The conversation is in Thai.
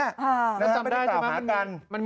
น้ำท่านไม่ได้กล่าวมากัน